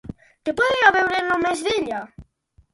Què podia veure només d'ella?